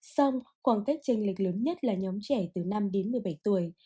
xong khoảng cách tranh lịch lớn nhất là nhóm trẻ từ năm đến một mươi bảy tuổi